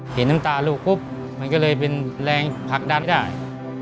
เห็นน้ำตาลูกปุ๊บมันก็เลยเป็นแรงผลักดันได้